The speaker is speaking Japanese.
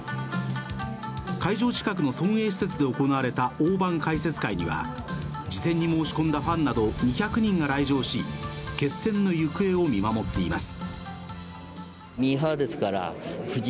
会場近くの村営施設で行われた大盤解説会には事前に申し込んだファンなど２００人が来場し決戦の行方を見守っています。